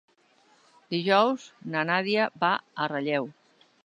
Dijous na Nàdia va a Relleu.